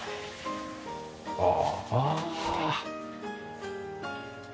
ああ。